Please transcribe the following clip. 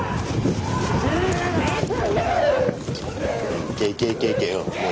いけいけいけいけうん。